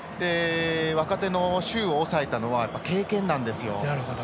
若手の周を抑えたのは経験なんですよ。